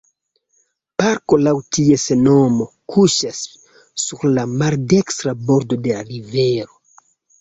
Parko laŭ ties nomo kuŝas sur la maldekstra bordo de la rivero.